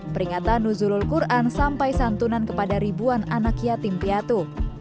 peringatan nuzulul quran sampai santunan kepada ribuan anak yatim piatu